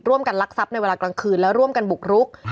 ลักทรัพย์ในเวลากลางคืนและร่วมกันบุกรุก